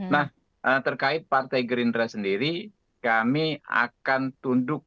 nah terkait partai gerindra sendiri kami akan tunduk